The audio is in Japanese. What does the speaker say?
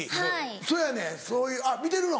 そやねんそういうあっ見てるの？